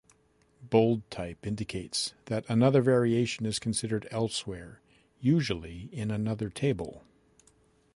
Bold type indicates that another variation is considered elsewhere - usually in another table.